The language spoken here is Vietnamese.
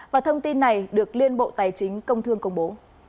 và thông tin này được liên bộ tài chính công thương công bố